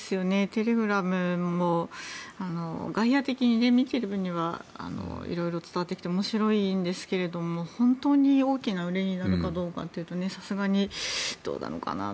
テレグラムも外野的に見ている分には色々伝わってきて面白いんですが本当に大きなうねりになるかどうかというとさすがにどうなのかな。